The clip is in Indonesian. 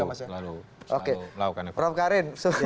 kita selalu selalu selalu melakukan evaluasi